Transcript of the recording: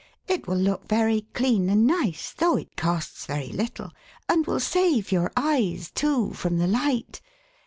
" It will look very clean and nice, though it costs very little, and will save your eyes, too, from the light.